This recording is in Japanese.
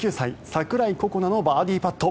櫻井心那のバーディーパット。